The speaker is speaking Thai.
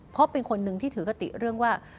เพราะเป็นคนหนึ่งที่ถือคติเรื่องว่า